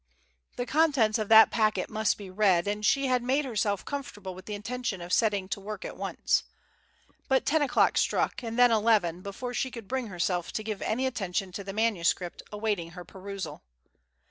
The contents of that packet must be read, and she had made herself comfortable with the intention of setting to work at once. But ten o'clock struck and then eleven before she could bring herself to give any attention to the manuscript awaiting her perusal.